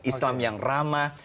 islam yang ramah